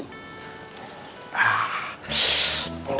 ponsen naik gak